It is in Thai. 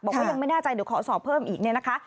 บอกว่ายังไม่แน่ใจเดี๋ยวขอสอบเพิ่มอีกเนี่ยนะคะ